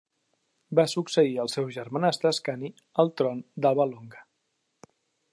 Va succeir el seu germanastre Ascani al tron d'Alba Longa.